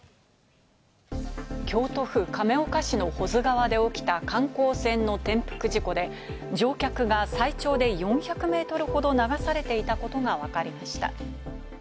京都府亀岡市の保津川で起きた観光船の転覆事故で、乗客が最長で４００メートルほど流されていたことがわかりました。